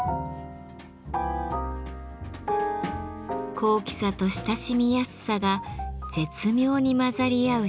高貴さと親しみやすさが絶妙に混ざり合う仕上がり。